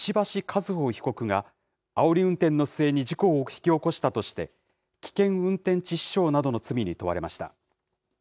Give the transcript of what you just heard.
和歩被告が、あおり運転の末に事故を引き起こしたとして、危険運転致死傷などの罪に問われました。